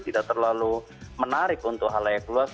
tidak terlalu menarik untuk hal layak luas